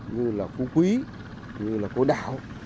như là khu quý như là khu đảo